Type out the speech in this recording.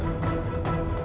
tuhan aku ingin menang